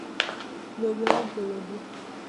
Doblado en Colombia.